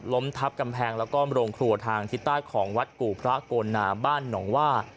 ล้มทับกำแพงแล้วก็โรงครัวทางทิศใต้ของวัดกู่พระโกนาบ้านหนองว่า